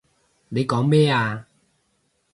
你講咩啊？